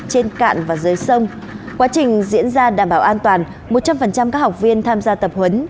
trên cạn và dưới sông quá trình diễn ra đảm bảo an toàn một trăm linh các học viên tham gia tập huấn